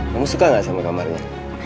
kamu suka nggak sama kamarnya